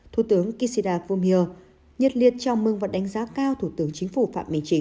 thủ tướng kishida fumio nhất liệt chào mừng và đánh giá cao thủ tướng chính phủ phạm một mươi chín